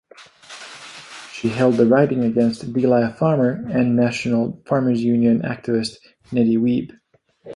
She held the riding against Delisle farmer and National Farmers Union activist Nettie Wiebe.